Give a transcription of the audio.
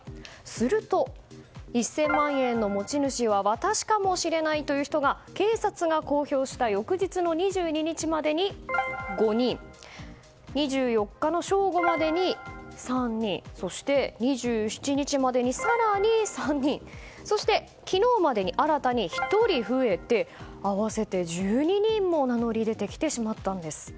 すると、１０００万円の持ち主は私かもしれないという人が警察が公表した翌日の２２日までに５人２４日の正午までに３人そして、２７日までに更に３人そして昨日までに新たに１人増えて合わせて１２人も名乗り出てきてしまったんです。